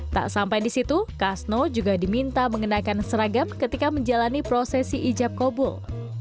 tak sampai di situ kasno juga diminta mengenakan seragam ketika menjalani prosesi ijab kobul